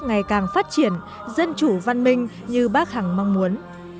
ngày càng phát triển dân chủ văn minh như bác hẳng mong muốn